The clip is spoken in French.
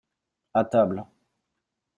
À table.